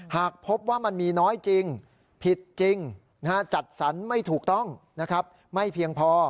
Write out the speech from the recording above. หากพบว่ามันมีน้อยจริงผิดจริงจัดสรรไม่ถูกต้องไม่เพียงพอ